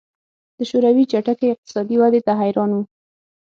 د شوروي چټکې اقتصادي ودې ته حیران وو